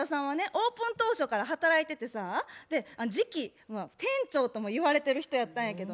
オープン当初から働いててさ次期店長ともいわれてる人やったんやけどね